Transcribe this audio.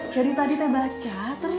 dari tadi saya baca terus